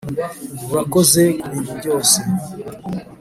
urakoze kubintu byose.